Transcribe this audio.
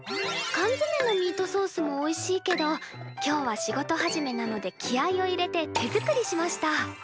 かんづめのミートソースもおいしいけど今日は仕事始めなので気合いを入れて手作りしました。